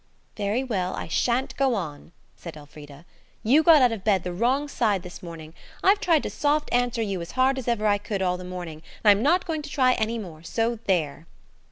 "Very well, I shan't go on," said Elfrida. "You got out of bed the wrong side this morning. I've tried to soft answer you as hard as ever I could all the morning, and I'm not going to try any more, so there."